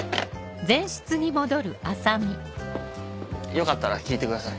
よかったら聴いてください。